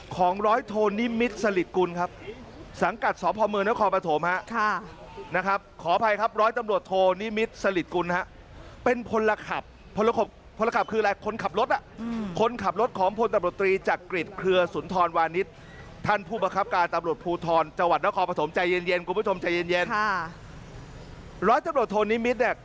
ของร้อยโทนิมิตรสลิดกุลครับสังกัดสพมนพภภภภภภภภภภภภภภภภภภภภภภภภภภภภภภภภภภภภภภภภภภภภภภภภภภภภภภภภภภภภ